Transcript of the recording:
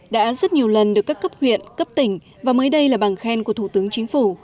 đã rất nhiều lần được các cấp huyện cấp tỉnh và mới đây là bằng khen của thủ tướng chính phủ